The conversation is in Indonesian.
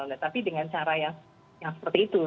nah tapi dengan cara yang seperti itu